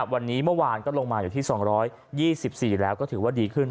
วันนี้เมื่อวานก็ลงมาอยู่ที่๒๒๔แล้วก็ถือว่าดีขึ้น